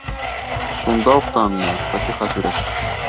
Шунда уҡ таныны: Фатиха сүрәһе.